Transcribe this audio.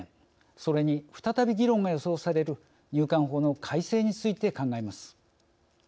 それに再び議論が予想される入管法の改正について考えます。